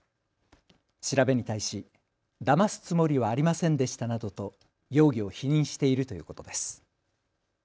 調べに対し、だますつもりはありませんでしたなどと容疑を否認しているということです。